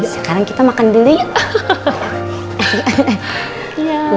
sekarang kita makan beli yuk